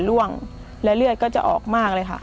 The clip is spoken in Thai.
และเลือดจะออกมากเลยค่ะ